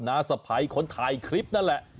้าสะพ้ายคนถ่ายคลิปนั่นแหละ